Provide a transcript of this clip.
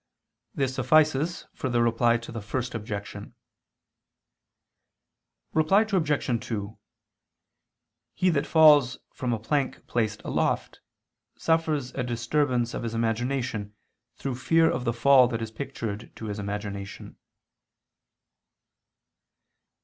This suffices for the Reply to the First Objection. Reply Obj. 2: He that falls from a plank placed aloft, suffers a disturbance of his imagination, through fear of the fall that is pictured to his imagination.